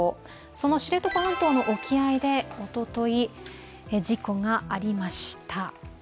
その知床半島の沖合でおととい、事故がありました。